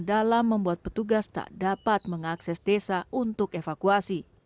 dalam membuat petugas tak dapat mengakses desa untuk evakuasi